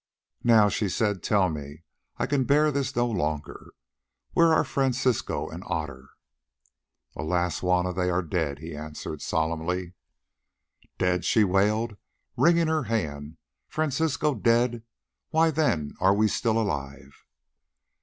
"Now," she said, "tell me. I can bear this no longer. Where are Francisco and Otter?" "Alas! Juanna, they are dead," he answered solemnly. "Dead," she wailed, wringing her hand. "Francisco dead! Why then are we still alive?"